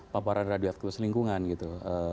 paparan radioaktif di selingkungan gitu